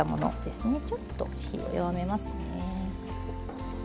ちょっと火を弱めますね。